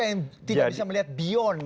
yang tidak bisa melihat beyond